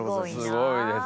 すごいです。